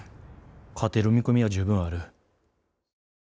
勝てる見込みは十分ある。